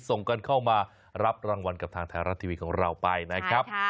ส่งกันเข้ามารับรางวัลกับทางไทยรัฐทีวีของเราไปนะครับ